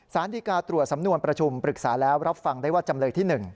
สารดีกาตรวจสำนวนประชุมปรึกษาแล้วรับฟังได้ว่าจำเลยที่๑